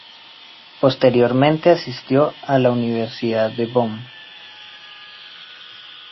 Posteriormente asistió a la Universidad de Bonn.